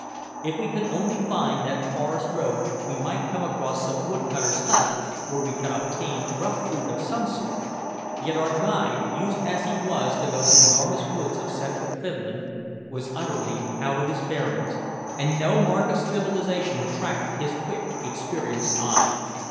If we could only find that forest road we might come across some wood cutter's hut, where we could obtain rough food of some sort, yet our guide, used as he was to those enormous woods of central Finland, was utterly out of his bearings, and no mark of civilization attracted his quick, experienced eye.